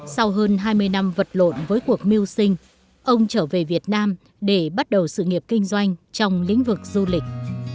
sau hơn hai mươi năm vật lộn với cuộc mưu sinh ông trở về việt nam để bắt đầu sự nghiệp kinh doanh trong lĩnh vực du lịch